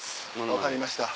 分かりました。